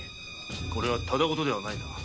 これはただごとではないな。